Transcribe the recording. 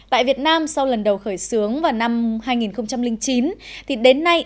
tại việt nam sau lần đầu khởi xướng vào năm hai nghìn chín